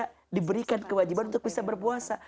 jadi kita diberikan kewajiban untuk bisa berpuasa